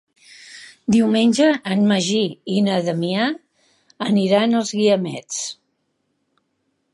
Diumenge en Magí i na Damià aniran als Guiamets.